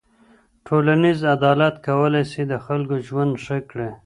ټولنیز عدالت کولای سي د خلګو ژوند ښه کړي.